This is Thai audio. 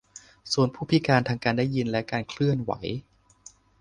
โซนผู้พิการทางการได้ยินและการเคลื่อนไหว